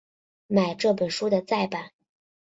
买这本书的再版